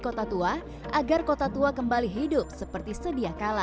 kota tua agar kota tua kembali hidup seperti sedia kala